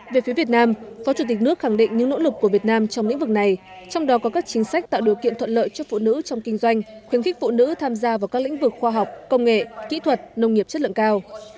về phía việt nam phó chủ tịch nước khẳng định những nỗ lực của việt nam trong lĩnh vực này trong đó có các chính sách tạo điều kiện thuận lợi cho phụ nữ trong kinh doanh khuyến khích phụ nữ tham gia vào các lĩnh vực khoa học công nghệ kỹ thuật nông nghiệp chất lượng cao